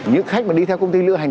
những khách mà đi theo công ty lửa hành